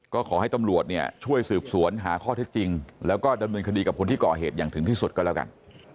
ก็ขอให้ตำรวจเนี่ยช่วยสืบสวนหาข้อเท็จจริงแล้วก็ดำเนินคดีกับคนที่ก่อเหตุอย่างถึงที่สุดก็แล้วกัน